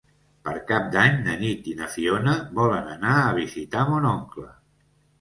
Per Cap d'Any na Nit i na Fiona volen anar a visitar mon oncle.